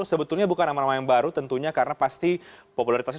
sebetulnya bukan nama nama yang baru tentunya karena pasti popularitasnya